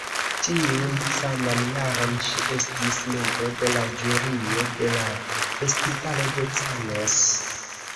Tiun saman jaron ŝi estis membro de la Ĵurio de la Festivalo de Cannes.